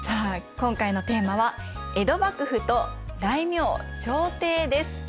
今回のテーマは「江戸幕府と大名・朝廷」です。